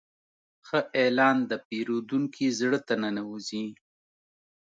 ښه اعلان د پیرودونکي زړه ته ننوځي.